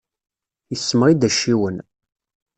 Issemɣi-d acciwen.